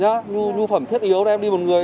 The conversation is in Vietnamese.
nhá nhu phẩm thiết yếu là em đi một người